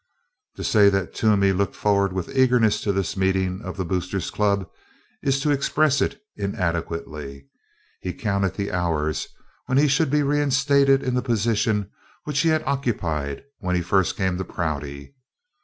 To say that Toomey looked forward with eagerness to this meeting of the Boosters Club is to express it inadequately. He counted the hours when he should be reinstated in the position which he had occupied when he first came to Prouty.